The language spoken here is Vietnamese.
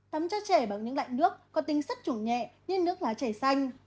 tắm cho trẻ bằng những loại nước có tính sắt trủng nhẹ như nước lá trẻ xanh